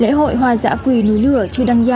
lễ hội hoa giã quỳ núi lửa chưa đăng gia